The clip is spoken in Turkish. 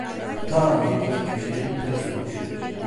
Ta ilerideki köşede bir polis dolaşıyordu.